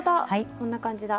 こんな感じだ！